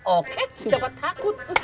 oke siapa takut